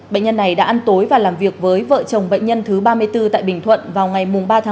bệnh nhân này đã ăn tối và làm việc với vợ chồng bệnh nhân thứ ba mươi bốn tại bình thuận vào ngày ba tháng bốn